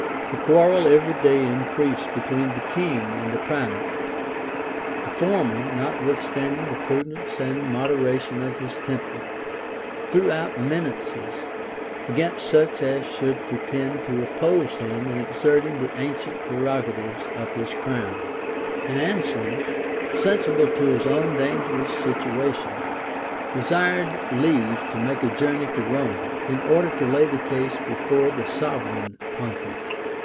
The quarrel every day increased between the king and the primate. The former, notwithstanding the prudence and moderation of his temper, threw out menaces against such as should pretend to oppose him in exerting the ancient prerogatives of his crown; and Anselm, sensible of his own dangerous situation, desired leave to make a journey to Rome, in order to lay the case before the sovereign pontiff.